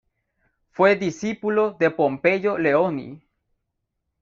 Fue discípulo de Pompeyo Leoni.